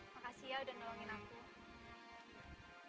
makasih ya udah nolongin aku